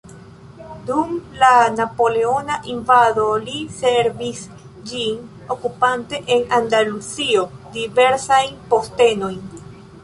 Dum la napoleona invado li servis ĝin okupante en Andaluzio diversajn postenojn.